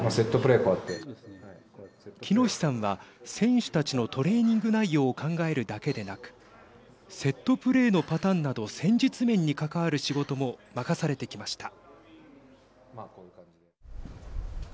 喜熨斗さんは選手たちのトレーニング内容を考えるだけでなくセットプレーのパターンなど戦術面に関わる仕事も任されてきました。